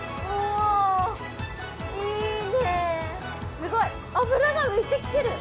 すごい脂が浮いて来てる！